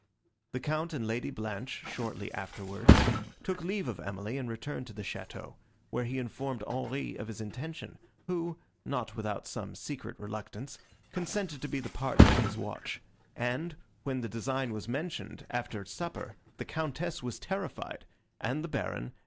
The Count and Lady Blanche, shortly afterwards, took leave of Emily, and returned to the château, where he informed Henri of his intention, who, not without some secret reluctance, consented to be the partner of his watch; and, when the design was mentioned after supper, the Countess was terrified, and the Baron, and M.